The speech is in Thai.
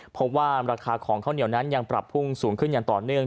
เพราะว่าราคาของข้าวเหนียวนั้นยังปรับพุ่งสูงขึ้นอย่างต่อเนื่อง